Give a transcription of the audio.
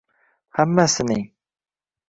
Hammasining?